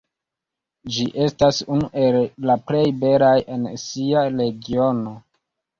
Ĝi estas unu el la plej belaj en sia regiono.